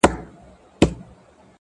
هره پوښتنه نوی امکان راپیدا کوي’